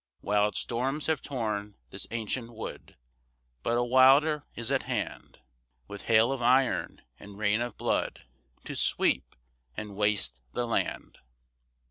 Wild storms have torn this ancient wood, But a wilder is at hand, With hail of iron and rain of blood, To sweep and waste the land.